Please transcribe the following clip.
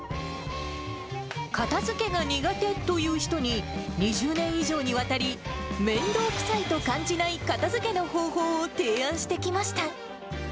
片づけが苦手という人に、２０年以上にわたり、面倒くさいと感じない片づけの方法を提案してきました。